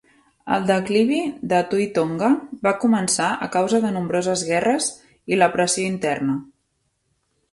El declivi de Tui Tonga va començar a causa de nombroses guerres i la pressió interna.